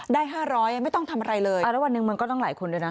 ได้๕๐๐ไม่ต้องทำอะไรเลยอ่าแล้ววันนึงมันก็ต้องหลายคุณด้วยนะ